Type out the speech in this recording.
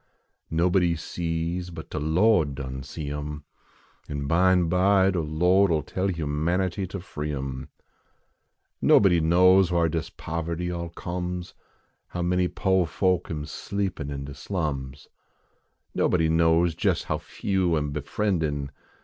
Nobody sees but de Lo d done see em. An bime by de Lo d 11 tell humanity ter free em. Nobody knows whar dis poverty all comes How many po folk am sleepin in de slums. Nobody knows jes how few am befriendin